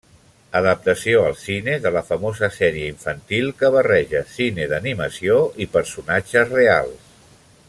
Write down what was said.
Adaptació al cine de la famosa sèrie infantil que barreja cine d'animació i personatges reals.